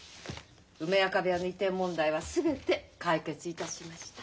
梅若部屋の移転問題は全て解決いたしました。